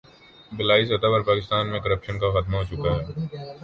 بالائی سطح پر پاکستان میں کرپشن کا خاتمہ ہو چکا ہے۔